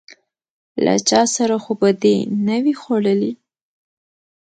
_له چا سره خو به دي نه و ي خوړلي؟